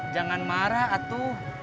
jangan marah atuh